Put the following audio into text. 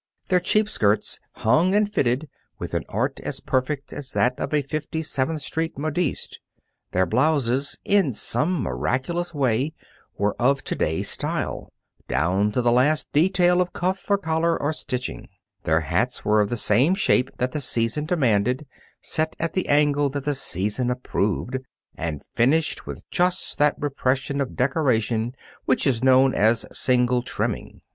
Their cheap skirts hung and fitted with an art as perfect as that of a Fifty seventh Street modiste; their blouses, in some miraculous way, were of to day's style, down to the last detail of cuff or collar or stitching; their hats were of the shape that the season demanded, set at the angle that the season approved, and finished with just that repression of decoration which is known as "single trimming."